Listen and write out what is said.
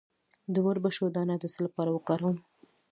د وربشو دانه د څه لپاره وکاروم؟